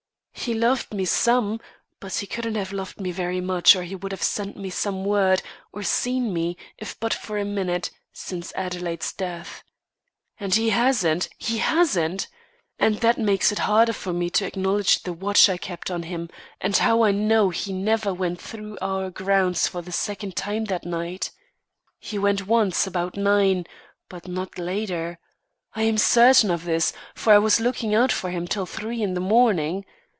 He loved me some, but he couldn't have loved me very much, or he would have sent me some word, or seen me, if but for a minute, since Adelaide's death. And he hasn't, he hasn't! and that makes it harder for me to acknowledge the watch I kept on him, and how I know he never went through our grounds for the second time that night. He went once, about nine, but not later. I am certain of this, for I was looking out for him till three in the morning.